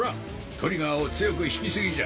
トリガーを強く引き過ぎじゃ。